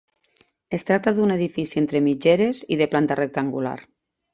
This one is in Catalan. Es tracta d'un edifici entre mitgeres i de planta rectangular.